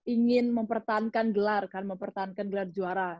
ingin mempertahankan gelar kan mempertahankan gelar juara